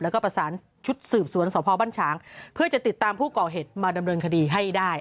แล้วก็ประสานชุดสืบสวนสพบัญชางเพื่อจะติดตามผู้ก่อเหตุมาดำเนินคดีให้ได้